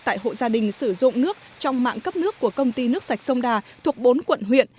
tại hộ gia đình sử dụng nước trong mạng cấp nước của công ty nước sạch sông đà thuộc bốn quận huyện